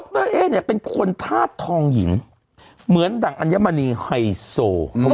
รเอ๊เนี่ยเป็นคนธาตุทองหญิงเหมือนดั่งอัญมณีไฮโซ